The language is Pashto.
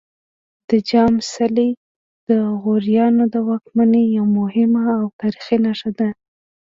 د جام څلی د غوریانو د واکمنۍ یوه مهمه او تاریخي نښه ده